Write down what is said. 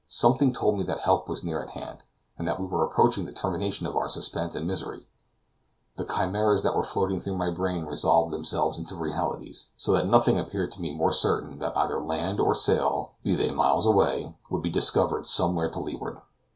Something told me that help was near at hand, and that we were approaching the termination of our suspense and misery; the chimeras that were floating through my brain resolved themselves into realities, so that nothing appeared to me more certain than that either land or sail, be they miles away, would be discovered somewhere to leeward.